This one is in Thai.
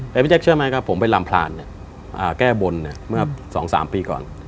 แต่พี่แจ๊คเชื่อไหมครับผมไปลำพลานแก้บนเมื่อ๒๓ปีก่อน